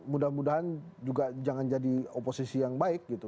mudah mudahan juga jangan jadi oposisi yang baik gitu